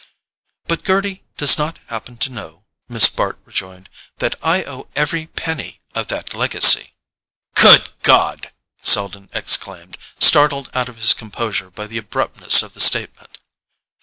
"But Gerty does not happen to know," Miss Bart rejoined, "that I owe every penny of that legacy." "Good God!" Selden exclaimed, startled out of his composure by the abruptness of the statement.